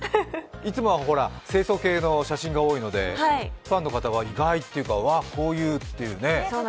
いつもは清楚系の写真が多いので、ファンの方は意外というか、わっ、こういうというね。